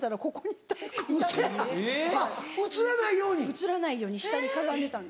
映らないように下にかがんでたんです。